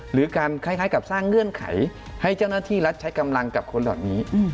หรือการคล้ายกับสร้างเงื่อนไขให้เจ้าหน้าที่รัฐใช้กำลังกับคนเหล่านี้